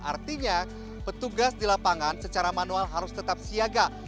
artinya petugas di lapangan secara manual harus tetap siaga